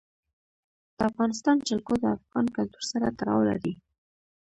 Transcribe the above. د افغانستان جلکو د افغان کلتور سره تړاو لري.